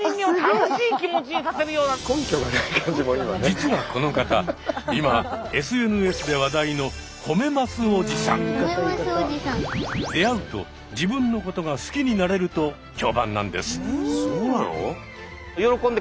実はこの方今ＳＮＳで話題の出会うと自分のことが好きになれると評判なんです。